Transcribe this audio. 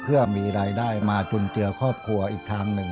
เพื่อมีรายได้มาจุนเจือครอบครัวอีกทางหนึ่ง